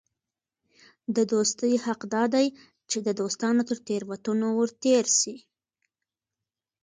د دوستي حق دا دئ، چي د دوستانو تر تېروتنو ور تېر سې.